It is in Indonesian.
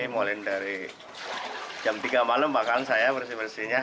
mulai dari jam tiga malam bahkan saya bersih bersihnya